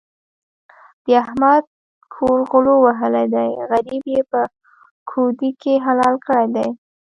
د احمد کور غلو وهلی دی؛ غريب يې په کودي کې حلال کړی دی.